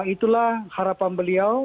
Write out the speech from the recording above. itulah harapan beliau